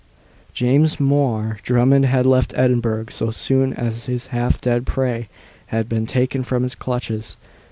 James Mhor Drummond had left Edinburgh so soon as his half dead prey had been taken from his clutches.